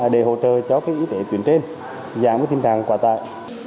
để hỗ trợ cho các y tế chuyển trên dạng với tình trạng quả tại